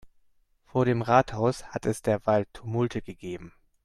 Vor dem Rathaus hat es derweil Tumulte gegeben.